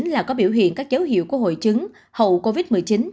là có biểu hiện các dấu hiệu của hội chứng hậu covid một mươi chín